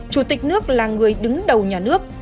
chủ tịch nước là người đứng đầu nhà nước